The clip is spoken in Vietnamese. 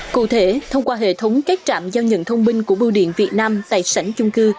cụ thể thông qua hệ thống các trạm giao nhận thông minh của bưu điện việt nam tại sảnh chung cư